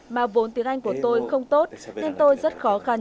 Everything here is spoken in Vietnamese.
mà vốn tiếng anh của tôi không tốt nên tôi rất khó khăn